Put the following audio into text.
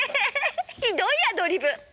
ひどいアドリブ。